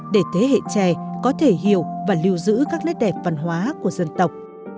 để thế hệ trẻ có thể hiểu và lưu giữ các nét đẹp văn hóa của dân tộc